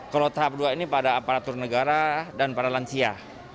kalau tahap dua ini pada aparatur negara dan para lansia